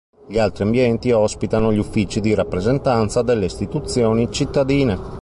Gli altri ambienti ospitano gli uffici di rappresentanza delle istituzioni cittadine.